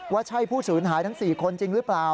ว่าใช่ผู้สูญหายทั้ง๔คนจริงหรือเปล่า